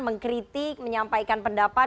mengkritik menyampaikan pendapat